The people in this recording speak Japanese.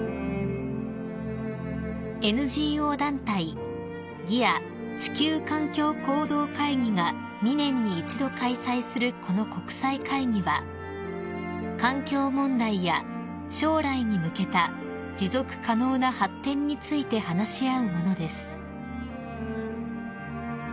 ［ＮＧＯ団体ＧＥＡ地球環境行動会議が２年に一度開催するこの国際会議は環境問題や将来に向けた持続可能な発展について話し合うものです］